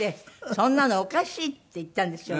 「そんなのおかしい」って言ったんですよね。